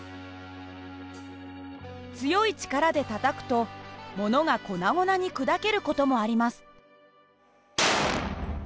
強い力でたたくとものが粉々に砕ける事もあります。